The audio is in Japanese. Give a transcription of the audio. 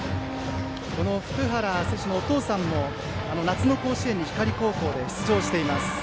福原選手のお父さんも夏の甲子園に光高校で出場しています。